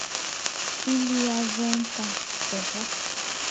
Il y a vingt ans, c’est vrai !…